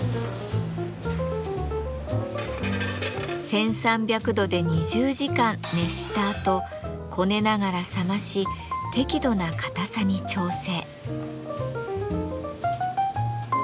１，３００度で２０時間熱したあとこねながら冷まし適度な硬さに調整。